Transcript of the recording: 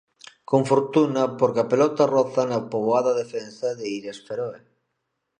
Con fortuna porque a pelota roza na poboada defensa de Illas Feroe.